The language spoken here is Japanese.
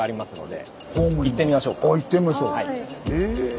ああ行ってみましょう。